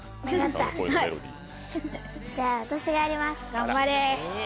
頑張れ！